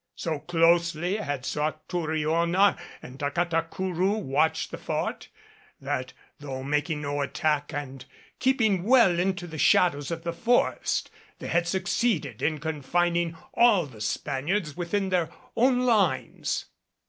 So closely had Satouriona and Tacatacourou watched the Fort, that, though making no attack and keeping well in the shadows of the forest, they had succeeded in confining all the Spaniards within their own lines.